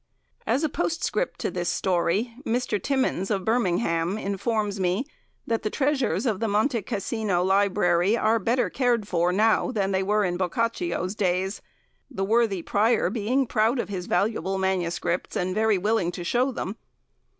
As a postscript to this story, Mr. Timmins, of Birmingham, informs me that the treasures of the Monte Cassino Library are better cared for now than in Boccaccio's days, the worthy prior being proud of his valuable MSS. and very willing to show them.